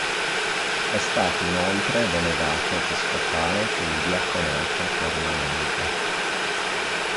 È stato inoltre delegato episcopale per il diaconato permanente.